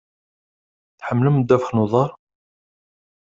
Tḥemmlem ddabex n uḍaṛ?